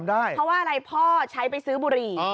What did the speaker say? เพราะว่าอะไรพ่อใช้ไปซื้อบุหรี่